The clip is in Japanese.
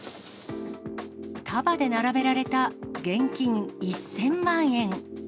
束で並べられた現金１０００万円。